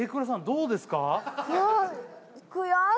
どうですか？